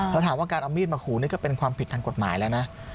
แล้วถามว่าการเอามีดมาขู่นี่ก็เป็นความผิดทางกฎหมายแล้วนะ